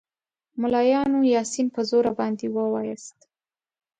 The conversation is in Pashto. ملایانو یاسین په زوره باندې ووایاست.